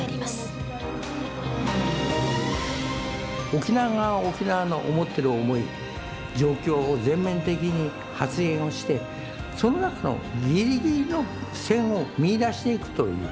沖縄が沖縄の思っている思い状況を全面的に発言をしてその中のギリギリの線を見いだしていくという。